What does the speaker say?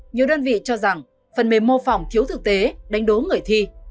nhiều đơn vị cho rằng phần mềm mô phỏng thiếu thực tế đánh đố người thi